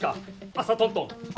朝トントン？